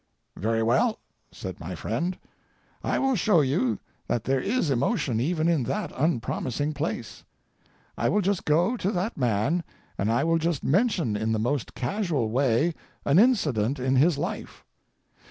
"Very well," said my friend, "I will show you that there is emotion even in that unpromising place. I will just go to that man and I will just mention in the most casual way an incident in his life.